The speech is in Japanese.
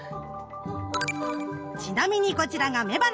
ちなみにこちらが雌花。